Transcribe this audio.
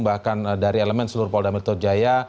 bahkan dari elemen seluruh pol damitro jaya